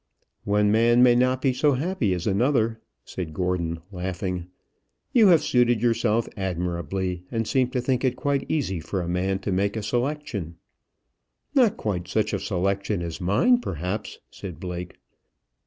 "One man may not be so happy as another," said Gordon, laughing. "You have suited yourself admirably, and seem to think it quite easy for a man to make a selection." "Not quite such a selection as mine, perhaps," said Blake.